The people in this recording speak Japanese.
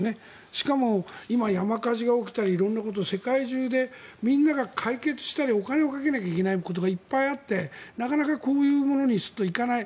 しかも、今、山火事が起きたり色んなこと世界中でみんなが解決したりお金をかけないといけないことがいっぱいあってなかなかこういうものにすっと行かない。